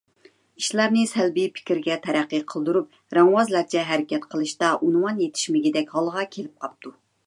ئىشلارنى سەلبىي پىكىرگە تەرەققى قىلدۇرۇپ رەڭۋازلارچە ھەرىكەت قىلىشتا ئۇنۋان يېتىشمىگىدەك ھالغا كېلىپ قاپتۇ.